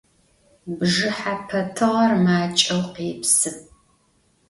Bjjıhepe tığer maç'eu khêpsı.